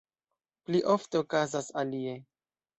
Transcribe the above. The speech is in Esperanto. Pli ofte okazas alie.